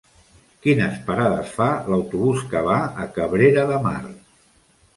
Quines parades fa l'autobús que va a Cabrera de Mar?